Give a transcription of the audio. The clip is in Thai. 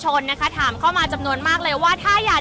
เชื่อหรือเกินค่ะคุณผู้ชมว่าข้ามคืนนี้นะคะแสงเพียรนับพันนับร้อยเล่มนะคะ